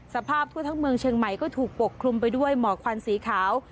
สภาพทั่วทั้งเมืองเชียงใหม่ก็ถูกปกคลุมไปด้วยหมอกควันสีขาว